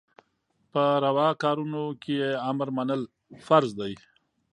په رواکارونو کي يي امر منل فرض دي